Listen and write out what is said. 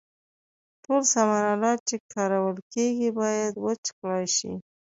ټول سامان آلات چې کارول کیږي باید وچ کړای شي.